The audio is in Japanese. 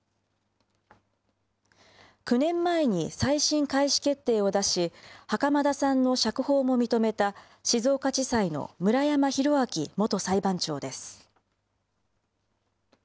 ９年前に再審開始決定を出し、袴田さんの釈放も認めた静岡地裁の村山浩昭元裁判長です。